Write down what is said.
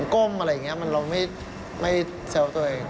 ก้มอะไรอย่างนี้เราไม่แซวตัวเอง